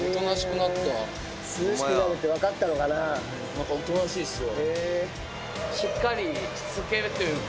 何かおとなしいっすわ。